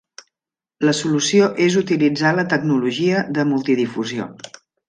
La solució és utilitzar la tecnologia de multidifusió.